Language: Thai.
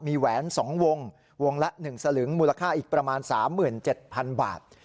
มีแหวน๒วงวงละ๑สลึงมูลค่าอีกประมาณ๓๗๐๐๐บาท